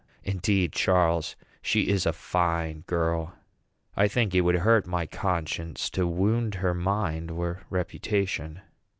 Indeed, Charles, she is a fine girl. I think it would hurt my conscience to wound her mind or reputation.